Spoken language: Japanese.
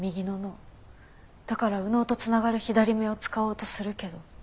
だから右脳と繋がる左目を使おうとするけど。